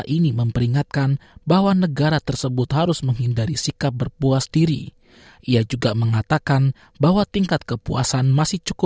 peneliti mengatakan warga negara australia yang lahir di luar negeri menunjukkan tingkat kelebihan mereka